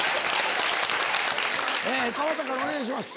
川田からお願いします。